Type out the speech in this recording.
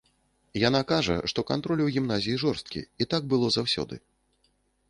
Яна кажа, што кантроль у гімназіі жорсткі, і так было заўсёды.